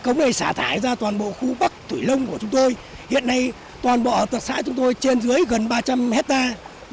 ngoài ra toàn bộ khu bắc thủy lông của chúng tôi hiện nay toàn bộ hợp tập xã chúng tôi trên dưới gần ba trăm linh hectare